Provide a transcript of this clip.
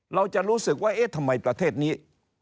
เราจะรู้สึกว่าเอ๊ะทำไมประเทศนี้